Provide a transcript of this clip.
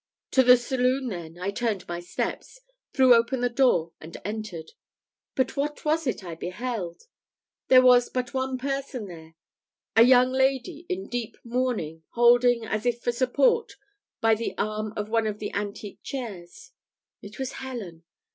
To the saloon, then, I turned my steps, threw open the door, and entered. But what was it I beheld? There was but one person there a young lady in deep mourning, holding, as if for support, by the arm of one of the antique chairs it was Helen!